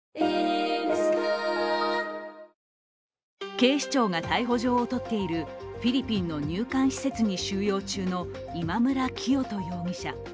警視庁が逮捕状を取っているフィリピンの入管施設に収容中の今村磨人容疑者。